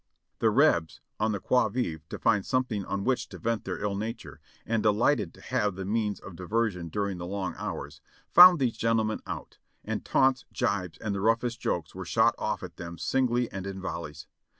The Rebs, on the qui vive to find something on which to vent their ill nature, and delighted to have the means of diversion during the long hours, found these gentlemen out, and taunts, jibes and the roughest jokes were shot off at them singly and in volleys.